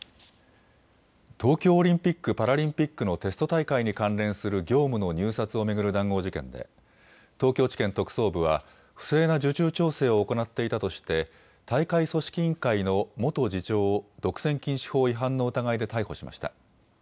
東京オリンピック・パラリンピックのテスト大会に関連する業務の入札を巡る談合事件で東京地検特捜部は不正な受注調整を行っていたとして大会組織委員会の元次長を独占禁止法違反の疑いで逮捕しました。